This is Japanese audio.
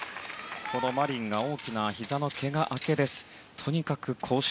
マリンは大きなひざのけが明けです。